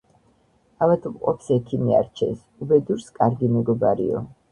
ავადმყოფს ექიმი არჩენს, უბედურს კარგი მეგობარიო